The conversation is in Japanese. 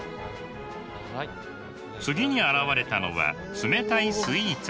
次に現れたのは冷たいスイーツ。